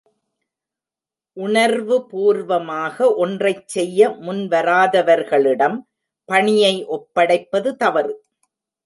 உணர்வு பூர்வமாக ஒன்றைச் செய்ய முன்வராதவர்களிடம் பணியை ஒப்படைப்பது தவறு.